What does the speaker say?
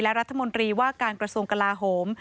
และรัฐมนตรีว่าการกระทรวงกลาโหม